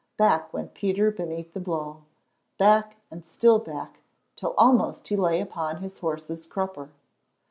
Back went Peter beneath the blow, back and still back, till almost he lay upon his horse's crupper.